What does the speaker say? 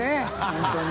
本当に。